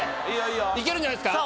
いけるんじゃないですか？